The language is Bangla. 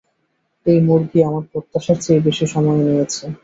এই মুরগি আমার প্রত্যাশার চেয়ে বেশি সময় নিয়েছে।